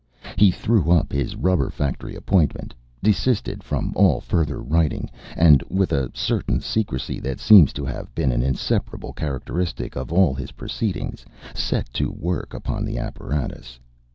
He threw up his rubber factory appointment, desisted from all further writing, and, with a certain secrecy that seems to have been an inseparable characteristic of all his proceedings, set to work upon the apparatus.